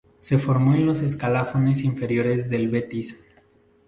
Se formó en los escalafones inferiores del Betis.